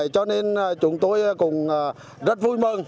cho nên chúng tôi cũng rất vui mừng